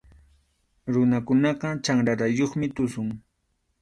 Runakunaqa chanrarayuqmi tusun.